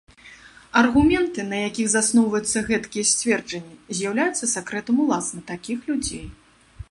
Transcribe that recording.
Аргументы, на якіх засноўваюцца гэткія сцверджанні, з'яўляюцца сакрэтам уласна такіх людзей.